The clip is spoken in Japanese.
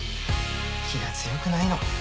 気が強くないの。